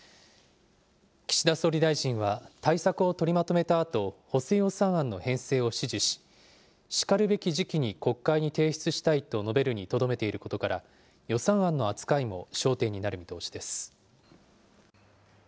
岸田総理大臣は対策を取りまとめたあと、補正予算案の編成を指示し、しかるべき時期に国会に提出したいと述べるにとどめていることから、予算案の扱いも焦点になる見通しです。